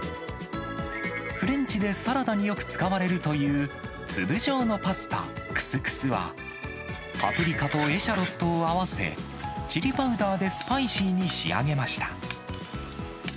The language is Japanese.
フレンチでサラダによく使われるという、粒状のパスタ、クスクスは、パプリカとエシャロットを合わせ、チリパウダーでスパイシーに仕上げました。